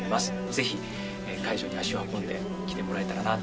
ぜひ会場に足を運んで来てもらえたらなと思います。